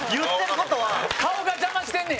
陣内：顔が邪魔してんねや。